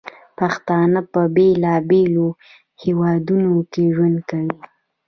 پښتانه په بیلابیلو هیوادونو کې ژوند کوي.